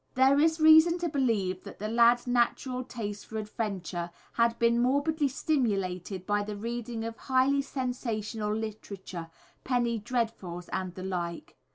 There is reason to believe that the lads' natural taste for adventure had been morbidly stimulated by the reading of highly sensational literature "penny dreadfuls" and the like.